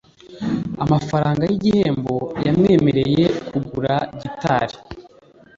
Amafaranga yigihembo yamwemereye kugura gitari.